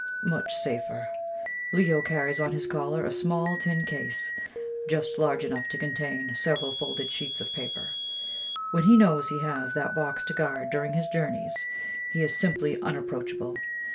"Much safer! Leo carries on his collar a small tin case, just large enough to contain several folded sheets of paper. When he knows he has that box to guard during his journeys, he is simply unapproachable.